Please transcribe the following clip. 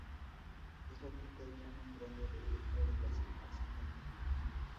Es la quinta isla más grande del grupo de las Islas Jónicas.